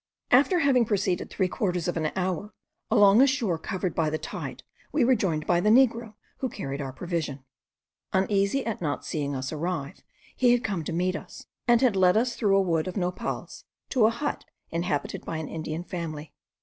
After having proceeded three quarters of an hour along a shore covered by the tide we were joined by the negro, who carried our provision. Uneasy at not seeing us arrive, he had come to meet us, and he led us through a wood of nopals to a hut inhabited by an Indian family.